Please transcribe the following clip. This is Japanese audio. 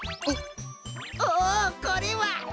おおこれは！